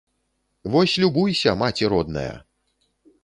Вось любуйся, маці родная!